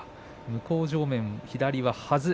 向正面、左は、はず。